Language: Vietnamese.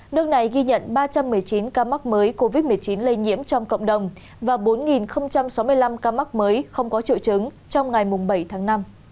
nước này ghi nhận ba trăm một mươi chín ca mắc mới covid một mươi chín lây nhiễm trong cộng đồng và bốn sáu mươi năm ca mắc mới không có triệu chứng trong ngày bảy tháng năm